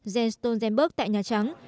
jens stolzenberg tại nhà trắng